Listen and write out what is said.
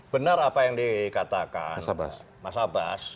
benar apa yang dikatakan mas abbas